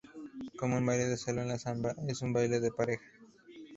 Como un baile de salón, la samba es un baile de pareja.